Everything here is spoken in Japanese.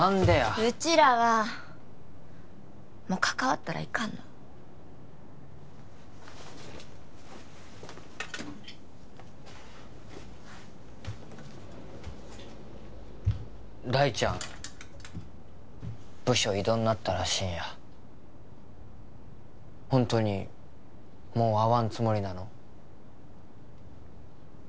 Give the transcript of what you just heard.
うちらはもう関わったらいかんの大ちゃん部署異動になったらしいんやほんとにもう会わんつもりなの？